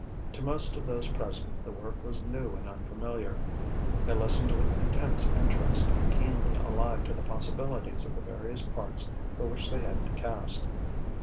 To most of those present the work was new and unfamiliar; they listened with intense interest, keenly alive to the possibilities of the various parts for which they had been cast.